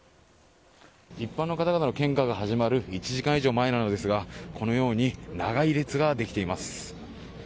一般の方々の献花が始まる１時間以上前なのですがこのように長い列ができています。